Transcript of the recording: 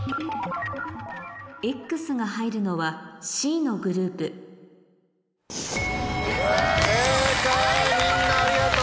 Ｘが入るのはＣのグループやった！